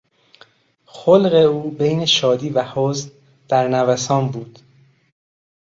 خلق او بین شادی و حزن در نوسان بود.